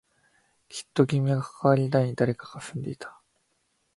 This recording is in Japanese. きっと僕と関わりのない誰かが住んでいた